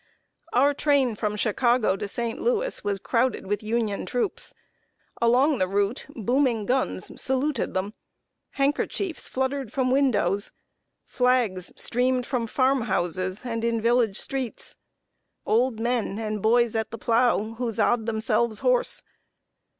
Our train from Chicago to St. Louis was crowded with Union troops. Along the route booming guns saluted them; handkerchiefs fluttered from windows; flags streamed from farm houses and in village streets; old men and boys at the plow huzzaed themselves hoarse.